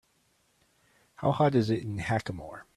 How hot is it in Hackamore